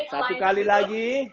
satu kali lagi